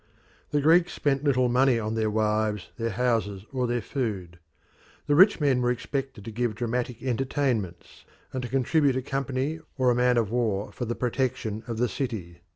The Greeks spent little money on their wives, their houses, or their food: the rich men were expected to give dramatic entertainments, and to contribute a company or a man of war for the protection of the city.